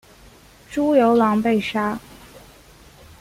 朱由榔被杀。